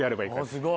すごい！